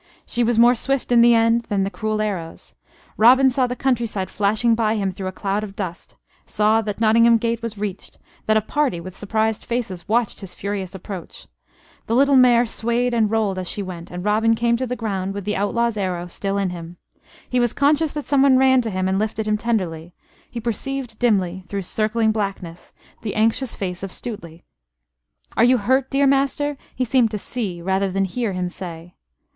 She was more swift in the end than the cruel arrows. Robin saw the countryside flashing by him through a cloud of dust; saw that Nottingham gate was reached; that a party with surprised faces watched his furious approach. The little mare swayed and rolled as she went, and Robin came to the ground, with the outlaw's arrow still in him. He was conscious that someone ran to him and lifted him tenderly: he perceived dimly, through circling blackness, the anxious face of Stuteley. "Are you hurt, dear master?" he seemed to see, rather than hear, him say.